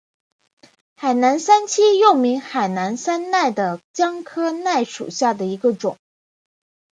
海南三七又名海南山柰为姜科山柰属下的一个种。